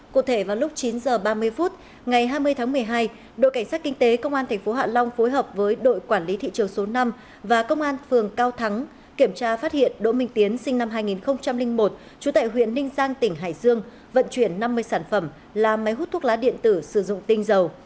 cụ thể vào lúc chín h ba mươi phút ngày hai mươi tháng một mươi hai đội cảnh sát kinh tế công an tp hạ long phối hợp với đội quản lý thị trường số năm và công an phường cao thắng kiểm tra phát hiện đỗ minh tiến sinh năm hai nghìn một trú tại huyện ninh giang tỉnh hải dương vận chuyển năm mươi sản phẩm là máy hút thuốc lá điện tử sử dụng tinh dầu